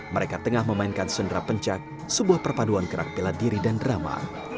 mereka tengah memainkan sendera pencak sebuah perpaduan gerak bela diri dan drama